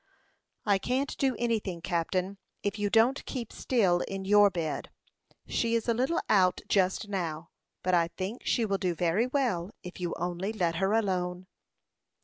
"I can't do anything, captain, if you don't keep still in your bed. She is a little out just now; but I think she will do very well, if you only let her alone."